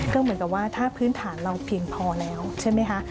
ก็เหมือนกับว่าถ้าพื้นฐานเราเพียงพอแล้วใช่ไหมคะ